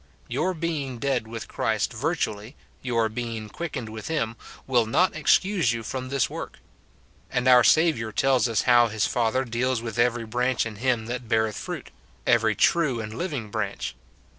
Your being dead with Christ virtually, your being quick ened with him, will not excuse you from this work. And our Saviour tells us how his Father deals with every branch in him that beareth fruit, every true and livin^ branch.